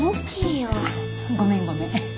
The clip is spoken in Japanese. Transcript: ごめんごめん。